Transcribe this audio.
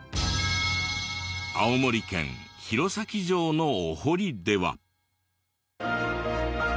青森県弘前城のお堀では。